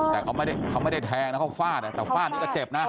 แต่เขาไม่ได้แทงนะเขาฟาดแต่ฟาดนี้ก็เจ็บนะ